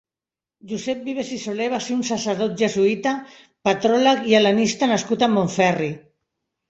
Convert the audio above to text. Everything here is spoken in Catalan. Josep Vives i Solé va ser un sacerdot jesuïta, patròleg i hel·lenista nascut a Montferri.